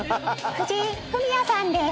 藤井フミヤさんです。